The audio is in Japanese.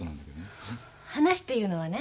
話っていうのはね。